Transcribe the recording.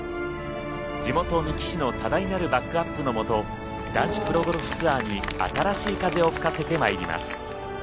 地元・三木市の多大なるバックアップのもと男子プロゴルフツアーに新しい風を吹かせてまいります。